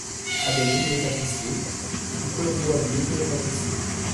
Adeline, les tapissiers ; puis Colombot Adeline , aux tapissiers.